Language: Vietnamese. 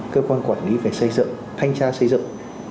cơ quan quản lý phải xây dựng thanh tra xây dựng